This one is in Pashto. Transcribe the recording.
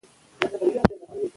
د نجونو تعلیم د عدالت ملاتړ کوي.